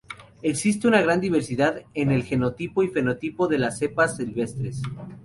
Existe una gran diversidad en el genotipo y fenotipo de las cepas silvestres.